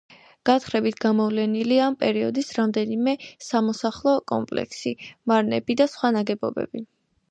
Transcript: გათხრებით გამოვლენილია ამ პერიოდის რამდენიმე სამოსახლო კომპლექსი, მარნები და სხვა ნაგებობები.